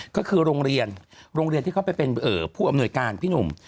ก็คือโรงเรียนโรงเรียนที่เขาไปเป็นผู้อำนวยการพี่หนุ่ม